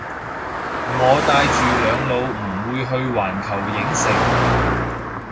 我帶住兩老唔會去環球影城